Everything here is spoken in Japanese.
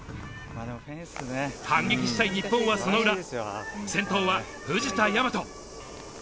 反撃したい日本は、その裏先頭は、藤田倭。